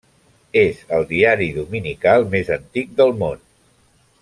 És el diari dominical més antic del món.